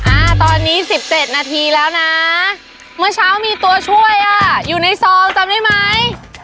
อ่าตอนนี้สิบเจ็ดนาทีแล้วนะเมื่อเช้ามีตัวช่วยอ่ะอยู่ในซองจำได้ไหม